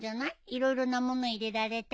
色々な物入れられて。